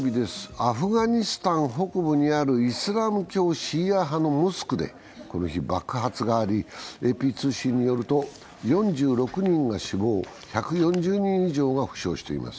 アフガニスタン北部にあるイスラム教シーア派のモスクでこの日、爆発がありＡＰ通信によると４６人が死亡、１４０人以上が負傷しています。